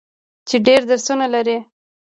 چې ډیر درسونه لري.